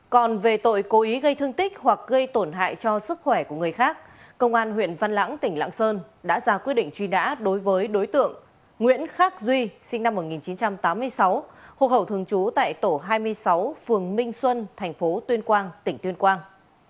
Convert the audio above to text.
cơ quan cảnh sát điều tra công an tỉnh lạng sơn cũng ra quyết định truy nã đối với đối tượng nguyễn khắc duy sinh năm một nghìn chín trăm tám mươi sáu hồ hậu thường chú tại tổ hai mươi sáu phường minh xuân thành phố tuyên quang tỉnh tuyên quang